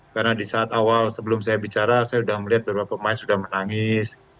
karena di saat awal sebelum saya bicara saya sudah melihat beberapa pemain sudah menangis